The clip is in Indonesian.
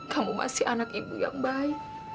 kamu masih anak ibu yang baik